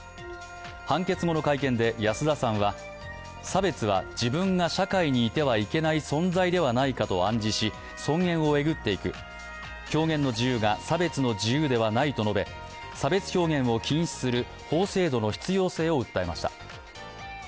判決後の会見で安田さんは、差別は自分が社会にいてはいけない存在ではないかと暗示し尊厳をえぐっていく表現の自由が差別の自由ではないと述べ差別表現を禁止する法制度の必要性を訴えました。